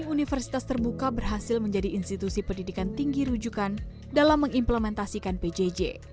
universitas terbuka berhasil menjadi institusi pendidikan tinggi rujukan dalam mengimplementasikan pjj